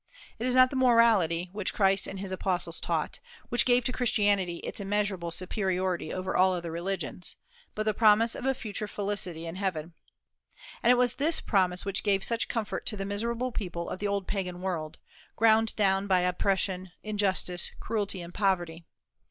It is not the morality which Christ and his Apostles taught, which gave to Christianity its immeasurable superiority over all other religions, but the promise of a future felicity in heaven. And it was this promise which gave such comfort to the miserable people of the old Pagan world, ground down by oppression, injustice, cruelty, and poverty.